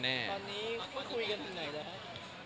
คุยกันไหนนะคะ